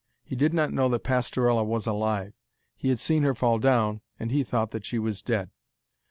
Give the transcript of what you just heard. He did not know that Pastorella was alive. He had seen her fall down, and he thought that she was dead.